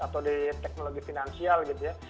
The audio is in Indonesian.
atau di teknologi finansial gitu ya